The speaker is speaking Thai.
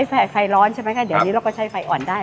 เมื่อกี้เราใช้ไฟร้อนใช่ไหมคะเดี๋ยวอันนี้เราก็ใช้ไฟอ่อนได้